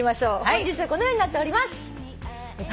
本日はこのようになっております。